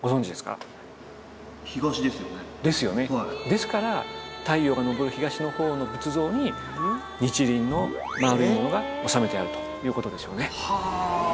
ですから太陽が昇る東の方の仏像に日輪の円い物が納めてあるということでしょうね。